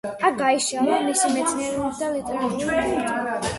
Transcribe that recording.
აქ გაიშალა მისი მეცნიერული და ლიტერატურული მოღვაწეობა.